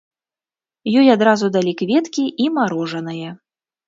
Ёй адразу далі кветкі і марожанае.